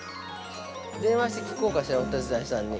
電話して聞こうかしらお手伝いさんに。